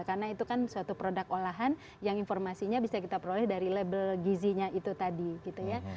karena itu kan suatu produk olahan yang informasinya bisa kita peroleh dari label gizinya itu tadi gitu ya